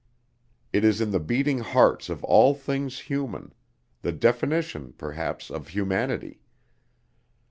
It is in the beating hearts of all things human the definition perhaps of humanity.